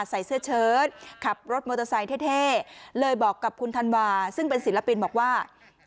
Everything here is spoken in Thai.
ใส่เสื้อเชิดขับรถมอเตอร์ไซค์เท่เลยบอกกับคุณธันวาซึ่งเป็นศิลปินบอกว่า